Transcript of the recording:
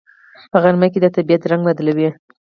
په غرمه کې د طبیعت رنگ بدل وي